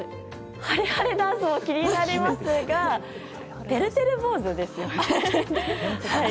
晴れ晴れダンスも気になりますがてるてる坊主ですよね。